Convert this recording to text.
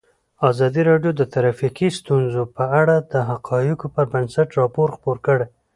ازادي راډیو د ټرافیکي ستونزې په اړه د حقایقو پر بنسټ راپور خپور کړی.